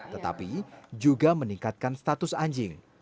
tetapi juga meningkatkan status anjing